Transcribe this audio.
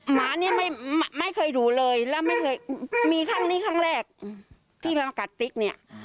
หมานี่ไม่เคยดูเลยแล้วไม่เคยมีครั้งนี้ครั้งแรกที่มากัดติ๊กเนี่ย